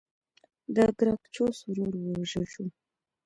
د ګراکچوس ورور ووژل شو.